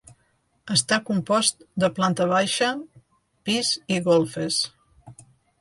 Està compost de planta baixa, pis i golfes.